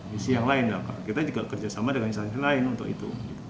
di sisi yang lain kita juga kerjasama dengan sisi lain untuk itu